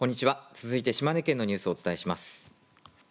続いて島根県のニュースをお伝えします。